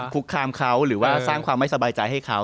คุกคามเขาหรือว่าสร้างความไม่สบายใจให้เขา